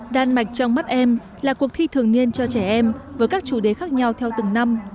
đan mạch trong mắt em là cuộc thi thường niên cho trẻ em với các chủ đề khác nhau theo từng năm